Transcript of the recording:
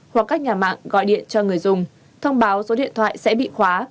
hoặc các nhà mạng gọi điện cho người dùng thông báo số điện thoại sẽ bị khóa